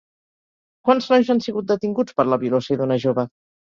Quants nois han sigut detinguts per la violació d'una jove?